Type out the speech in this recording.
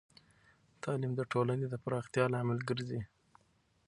تعلیم د ټولنې د پراختیا لامل ګرځی.